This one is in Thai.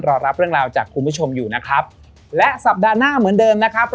รอรับเรื่องราวจากคุณผู้ชมอยู่นะครับและสัปดาห์หน้าเหมือนเดิมนะครับ